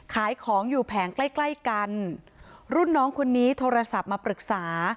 ขายของอยู่แผงใกล้ใกล้กันรุ่นน้องคนนี้โทรศัพท์มาปรึกษา